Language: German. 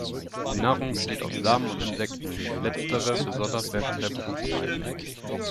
Die Nahrung besteht aus Samen und Insekten, letztere besonders während der Brutzeit.